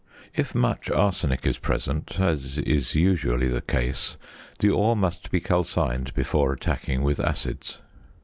If much arsenic is present (as is usually the case), the ore must be calcined before attacking with acids.